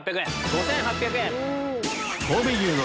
５８００円。